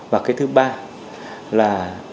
và cái thứ ba là